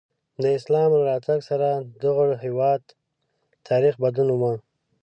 د اسلام له راتګ سره د دغه هېواد تاریخ بدلون وموند.